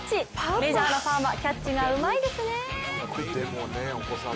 メジャーのファンはキャッチがうまいですね。